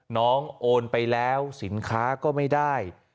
โอนไปแล้วสินค้าก็ไม่ได้